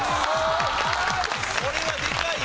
これはでかいよ。